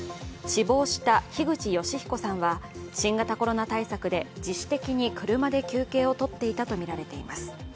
死亡した樋口善彦さんは、新型コロナ対策で自主的に車で休憩を取っていたとみられています。